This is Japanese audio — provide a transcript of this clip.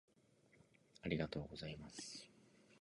ありがとうございます。